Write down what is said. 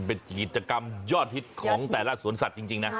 เป็นกิจกรรมยอดฮิตของแต่ละสวนสัตว์จริงนะ